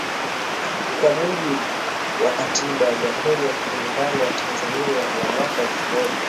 Kwa mujibu wa Katiba ya Jamhuri ya Muungano wa Tanzania ya mwaka elfu moja